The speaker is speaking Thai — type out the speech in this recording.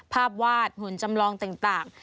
ภาพวาดหุ่นจำลองต่าง